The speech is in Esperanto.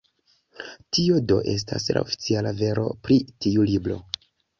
Tio do estas la oficiala vero pri tiu libro.